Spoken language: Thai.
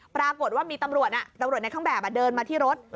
ปรากฏว่ามีตำรวจตำรวจในเครื่องแบบเดินมาที่รถ